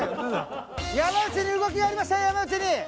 山内に動きがありました山内に。